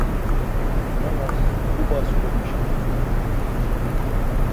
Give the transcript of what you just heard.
Nanas ubas komeşebuxti.